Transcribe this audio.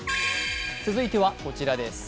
続いてはこちらです。